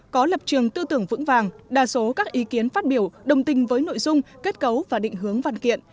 có lập trường tư tưởng vững vàng đa số các ý kiến phát biểu đồng tình với nội dung kết cấu và định hướng văn kiện